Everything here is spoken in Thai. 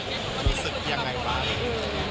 รู้สึกอย่างไรบ้าง